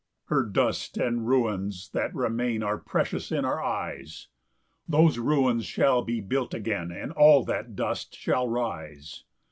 2 Her dust and ruins that remain Are precious in our eyes; Those ruins shall be built again, And all that dust shall rise.